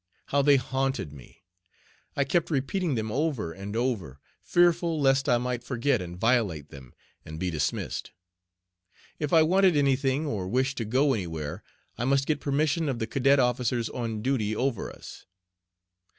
How they haunted me! I kept repeating them over and over, fearful lest I might forget and violate them, and be dismissed. If I wanted any thing or wished to go anywhere, I must get permission of the cadet officers on duty over us.